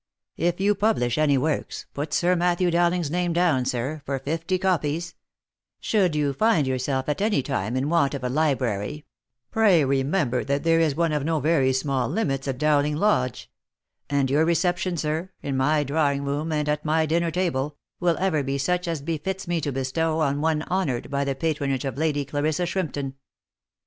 If you publish any works, put Sir Matthew Bowling's name down, sir, for fifty copies ; should you find yourself at any time in want of a library, pray remember that there is one of no very small limits at Dowling Lodge ; and your reception, sir, in my drawing room, and at my dinner table, will ever be such as befits me to bestow on one honoured by the patronage of Lady Clarissa Shrimpton."